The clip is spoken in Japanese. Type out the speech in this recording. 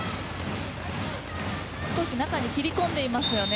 少し中に切り込んでいますよね。